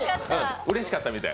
うれしかったみたい。